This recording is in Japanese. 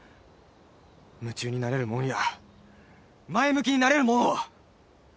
夢中になれるもんや前向きになれるもんを。